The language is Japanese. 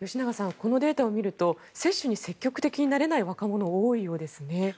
このデータを見ると接種に積極的になれない若者が多いようですね。